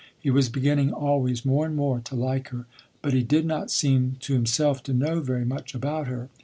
He was beginning always more and more to like her. But he did not seem to himself to know very much about her.